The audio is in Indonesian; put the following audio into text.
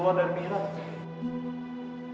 tidak ada yang bisa dihubungi dengan saya